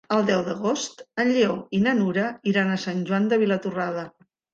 El deu d'agost en Lleó i na Nura iran a Sant Joan de Vilatorrada.